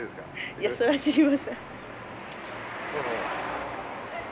いやそれは知りません。